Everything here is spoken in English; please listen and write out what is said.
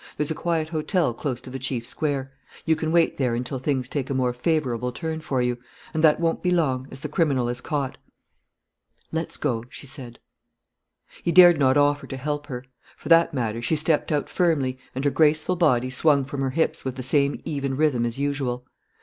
There's a quiet hotel close to the chief square. You can wait there until things take a more favourable turn for you and that won't be long, as the criminal is caught." "Let's go," she said. He dared not offer to help her. For that matter, she stepped out firmly and her graceful body swung from her hips with the same even rhythm as usual.